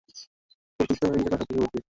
খুবই তিক্ত হয়ে গিয়েছিলাম সবকিছুর প্রতি।